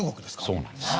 そうなんです。